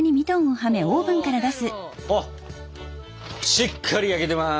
しっかり焼けてます！